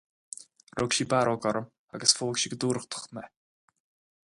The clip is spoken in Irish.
Rug sí barróg orm agus phóg sí go dúthrachtach mé.